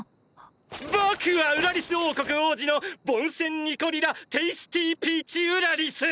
僕はウラリス王国王子のボンシェン・ニコリ・ラ・テイスティピーチ＝ウラリス！！